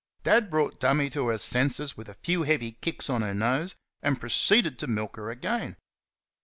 Dad brought "Dummy" to her senses with a few heavy kicks on her nose, and proceeded to milk her again.